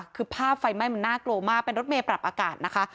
คือภาพไฟไหม้มันน่ากลัวมากเป็นรถเมย์ปรับอากาศนะคะ